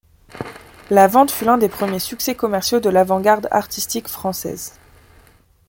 La vente fut l'un des premiers succès commerciaux de l'avant-garde artistique française.